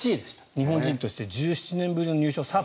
日本人として１７年ぶりの入賞。